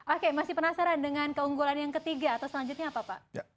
oke masih penasaran dengan keunggulan yang ketiga atau selanjutnya apa pak